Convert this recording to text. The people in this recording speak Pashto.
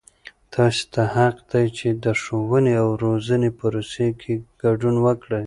تاسې ته حق دی چې د ښووني او روزنې پروسې کې ګډون وکړئ.